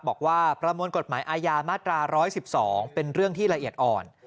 บอกว่าประมวลกฎหมายอาญามาตรา๑๑๒เป็นเรื่องที่ละเอียดอ่อน